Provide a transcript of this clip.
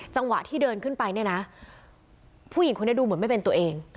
จังหวะที่เดินขึ้นไปเนี่ยนะผู้หญิงคนนี้ดูเหมือนไม่เป็นตัวเอง